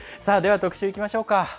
特集、いきましょうか。